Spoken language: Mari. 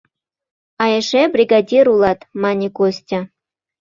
А эше бригадир улат! — мане Костя.